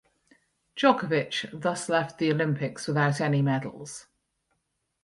Djokovic thus left the Olympics without any medals.